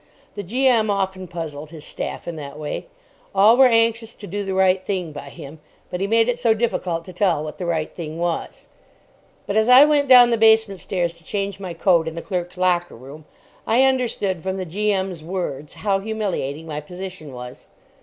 The G.M. often puzzled his staff in that way. All were anxious to do the right thing by him, but he made it so difficult to tell what the right thing was. But, as I went down the basement stairs to change my coat in the clerks' locker room, I understood from the G.M.'s words how humiliating my position was.